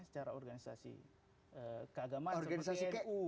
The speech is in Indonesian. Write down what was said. secara organisasi keagamaan seperti nu